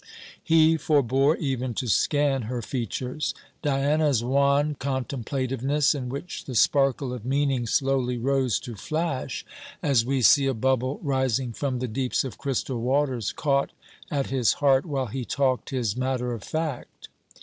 He forbore even to scan her features. Diana's wan contemplativeness, in which the sparkle of meaning slowly rose to flash, as we see a bubble rising from the deeps of crystal waters, caught at his heart while he talked his matter of fact.